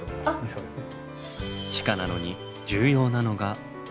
そうですね。